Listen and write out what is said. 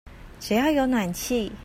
只要有暖氣